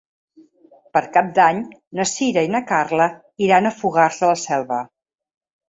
Per Cap d'Any na Sira i na Carla iran a Fogars de la Selva.